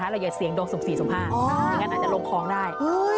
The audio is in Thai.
อย่าเสี่ยงดวงสุ่ม๔สุ่ม๕อย่างนั้นอาจจะลงคลองได้